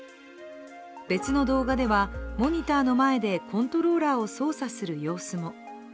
別の動画では、モニターの前でコントローラーを操作する様子も。